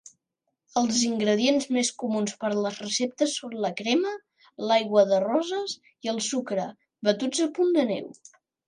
Els ingredients més comuns per les receptes són la crema, l"aigua de roses i el sucre, batuts a punt de neu.